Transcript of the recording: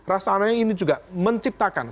rasanya ini juga menciptakan